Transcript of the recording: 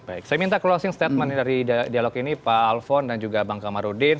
baik saya minta closing statement dari dialog ini pak alfon dan juga bang kamarudin